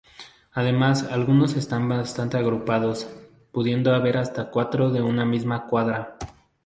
Además, algunos están bastante agrupados, pudiendo haber hasta cuatro en una misma cuadra.